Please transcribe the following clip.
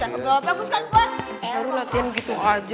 baru latihan gitu aja